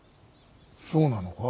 そうなのか？